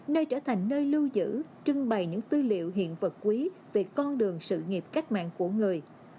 nơi trở thành nơi lưu giữ trưng bày những tư liệu hiện vật quý về con đường sự nghiệp cách mạng của người